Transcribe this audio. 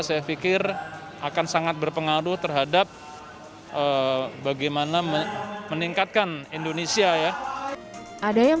saya pikir akan sangat berpengaruh terhadap bagaimana meningkatkan indonesia ya ada yang